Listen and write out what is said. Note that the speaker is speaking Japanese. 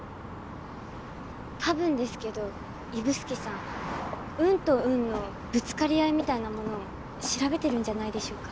多分ですけど指宿さん運と運のぶつかり合いみたいなものを調べてるんじゃないでしょうか。